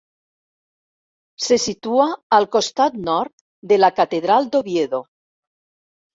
Se situa al costat nord de la Catedral d'Oviedo.